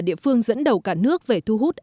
địa phương dẫn đầu cả nước về thu hút